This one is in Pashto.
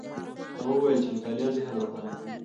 هغه وویل چې مطالعه ذهن روښانه کوي.